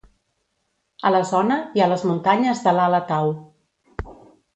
A la zona hi ha les muntanyes de l'Ala Tau.